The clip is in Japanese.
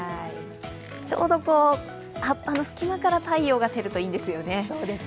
ちょうど葉っぱの隙間から太陽が照るといいんですよね。